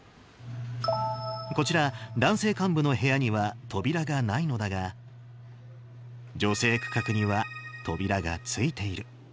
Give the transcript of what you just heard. こちら、男性幹部の部屋には扉がないのだが、女性区画には扉がついている。